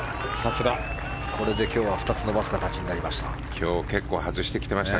これで今日は２つ伸ばす形になりました。